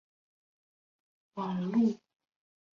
网路行销及大数据